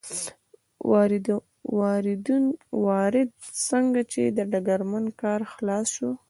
واورېد، څنګه چې د ډګرمن کار خلاص شو.